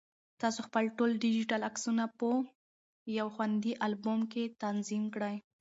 تاسو خپل ټول ډیجیټل عکسونه په یو خوندي البوم کې تنظیم کړئ.